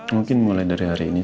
mungkin mulai dari hari ini